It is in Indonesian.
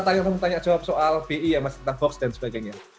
tanya kamu tanya jawab soal bi ya mas tentang hoax dan sebagainya